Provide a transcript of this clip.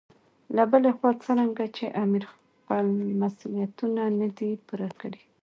له بلې خوا څرنګه چې امیر خپل مسولیتونه نه دي پوره کړي.